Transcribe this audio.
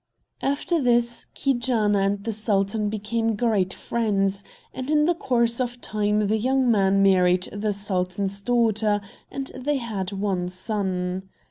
After this Keejaanaa and the sultan became great friends; and in the course of time the young man married the sultan's daughter, and they had one son.